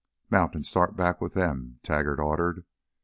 "Mount and start back with them!" Traggart ordered.